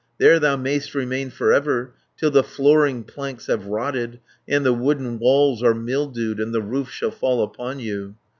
There thou mayst remain for ever, Till the flooring planks have rotted, And the wooden walls are mildewed, And the roof shall fall upon you.